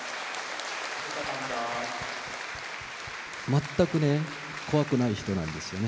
全くね、怖くない人なんですよね。